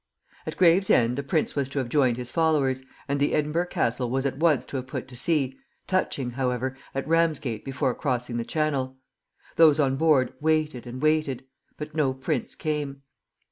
At Gravesend the prince was to have joined his followers, and the "Edinburgh Castle" was at once to have put to sea, touching, however, at Ramsgate before crossing the Channel. Those on board waited and waited, but no prince came.